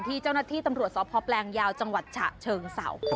ที่เจ้าหน้าที่ตำรวจสพแปลงยาวจังหวัดฉะเชิงเศร้าค่ะ